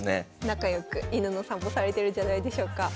仲良く犬の散歩されてるんじゃないでしょうか。